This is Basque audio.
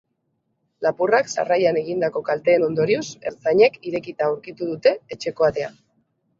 Lapurrak sarrailan egindako kalteen ondorioz, ertzainek irekita aurkitu dute etxeko atea.